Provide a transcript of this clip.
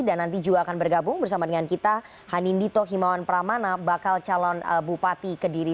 dan nanti juga akan bergabung bersama dengan kita hanindito himawan pramana bakal calon bupati kediri